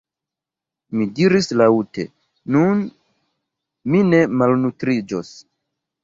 Mi diris laŭte: “nun mi ne malnutriĝos! »